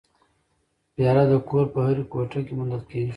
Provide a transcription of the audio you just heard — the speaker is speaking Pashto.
پیاله د کور هرې کوټې کې موندل کېږي.